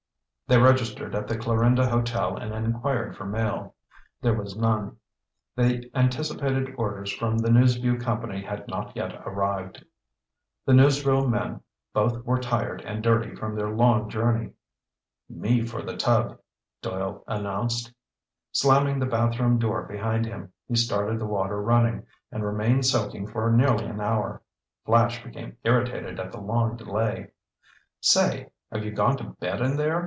They registered at the Clarinda Hotel and inquired for mail. There was none. The anticipated orders from the News Vue Company had not yet arrived. The newsreel men both were tired and dirty from their long journey. "Me for the tub," Doyle announced. Slamming the bathroom door behind him, he started the water running, and remained soaking for nearly an hour. Flash became irritated at the long delay. "Say, have you gone to bed in there?"